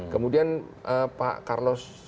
kemudian pak carlos